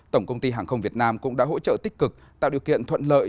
tổng công ty hàng không việt nam cũng đã hỗ trợ tích cực tạo điều kiện thuận lợi